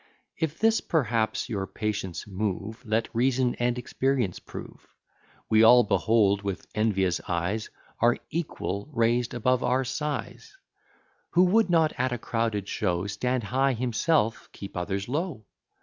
If this perhaps your patience move, Let reason and experience prove. We all behold with envious eyes Our equal raised above our size. Who would not at a crowded show Stand high himself, keep others low?